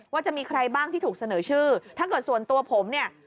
ว่าจะมีใครบ้างที่ถูกเสนอชื่อถ้าเกิดส่วนตัวผมเนี่ย